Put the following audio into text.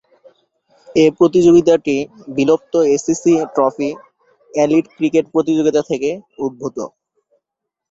এ প্রতিযোগিতাটি বিলুপ্ত ACC trophy elite cricket প্রতিযোগিতা থেকে উদ্ভূত।